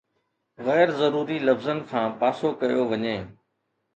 غير ضروري لفظن کان پاسو ڪيو وڃي.